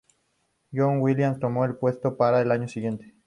John Williams tomó el puesto para el año siguiente.